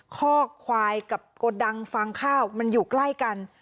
ข้อควายกับโกดังฟางข้าวมันอยู่ใกล้กัน